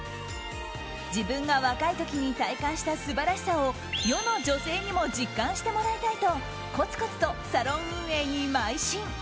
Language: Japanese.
自分が若い時に体感した素晴らしさを世の女性にも実感してもらいたいとこつこつとサロン運営にまい進。